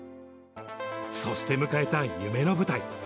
そして迎えた夢の舞台。